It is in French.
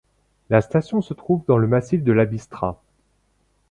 La station se trouve dans le massif de la Bistra.